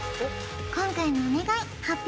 今回のお願い発表